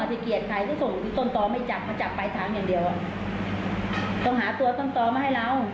ถ้าเกลียดใครก็ส่งต้นต้อไม่จับมาจับไปทั้งอย่างเดียวต้องหาตัวต้องต้องต้องมาให้เรา